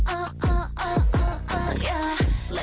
โอ้โห